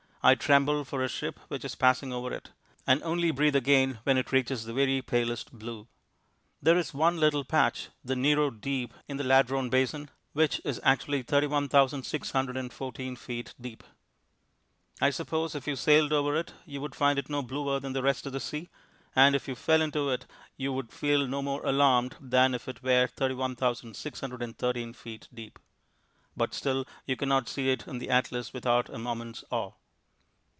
I tremble for a ship which is passing over it, and only breathe again when it reaches the very palest blue. There is one little patch the Nero Deep in the Ladrone Basin which is actually 31,614 feet deep. I suppose if you sailed over it you would find it no bluer than the rest of the sea, and if you fell into it you would feel no more alarmed than if it were 31,613 feet deep; but still you cannot see it in the atlas without a moment's awe.